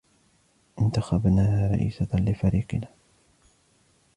انتخبناها رئيسة لفريقنا.